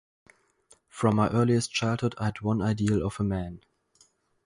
From my earliest childhood I had one ideal of a man.